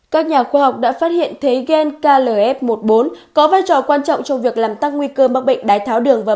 các nhà khoa học đã phát hiện thấy gen klf một mươi bốn có vai trò quan trọng trong việc làm tăng nguy cơ mắc bệnh đai thẳng